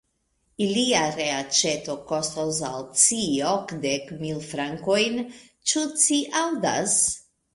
Ilia reaĉeto kostos al ci okdek mil frankojn, ĉu ci aŭdas?